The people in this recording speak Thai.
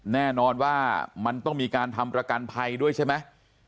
แน่นอนว่ามันต้องมีการทำประกันภัยด้วยใช่ไหม